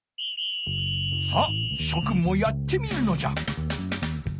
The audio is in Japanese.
さあしょくんもやってみるのじゃ。